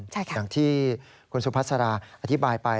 อย่างที่คุณสุภาษาอธิบายไป